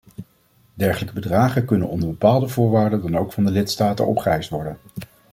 Dergelijke bedragen kunnen onder bepaalde voorwaarden dan ook van de lidstaten opgeëist worden.